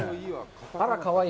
あら、かわいい。